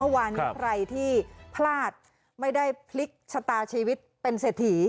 วันนี้ใครที่พลาดไม่ได้พลิกชะตาชีวิตเป็นเศรษฐี